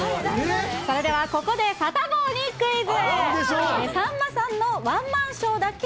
それではここでサタボーにクイズ。